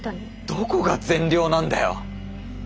どこが善良なんだよ！